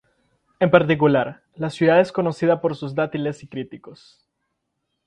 En particular, la ciudad es conocida por sus dátiles y cítricos.